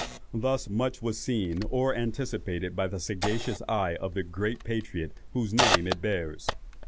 Thus much was seen or anticipated by the sagacious eye of the great patriot whose name it bears.